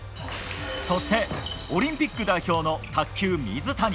そして、オリンピック代表の卓球、水谷。